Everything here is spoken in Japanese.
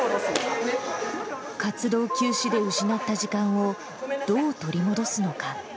活動休止で失った時間をどう取り戻すのか。